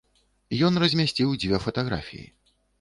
Ён размясціў дзве фатаграфіі.